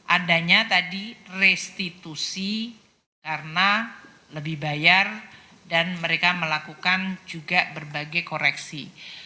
adanya tadi restitusi karena lebih bayar dan mereka melakukan juga berbagai koreksi